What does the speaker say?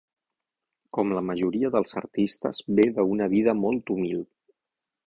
Com la majoria dels artistes, ve d'una vida molt humil.